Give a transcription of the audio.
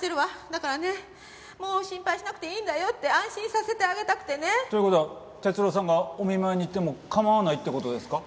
だからねもう心配しなくていいんだよって安心させてあげたくてね。という事は哲郎さんがお見舞いに行っても構わないって事ですか？